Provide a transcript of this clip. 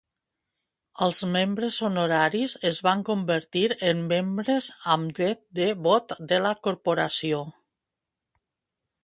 Els membres honoraris es van convertir en membres amb dret de vot de la corporació.